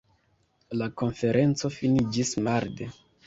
La konferenco finiĝis marde.